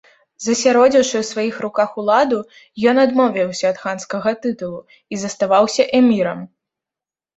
Засяродзіўшы ў сваіх руках уладу, ён адмовіўся ад ханскага тытулу і заставаўся эмірам.